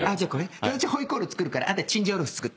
うちホイコーロー作るからあんたチンジャオロース作って。